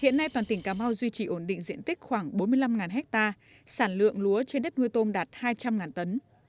hiện nay toàn tỉnh cà mau duy trì ổn định diện tích khoảng bốn mươi năm ha sản lượng lúa trên đất nuôi tôm đạt hai trăm linh tấn